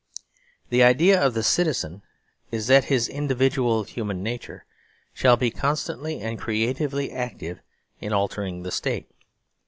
The idea of the Citizen is that his individual human nature shall be constantly and creatively active in altering the State.